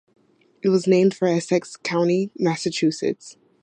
It was named for Essex County, Massachusetts.